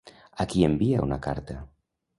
A qui envia una carta?